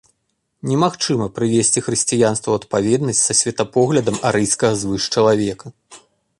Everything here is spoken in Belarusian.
Немагчыма прывесці хрысціянства ў адпаведнасць са светапоглядам арыйскага звышчалавека.